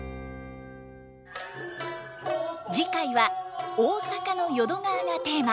次回は大阪の淀川がテーマ。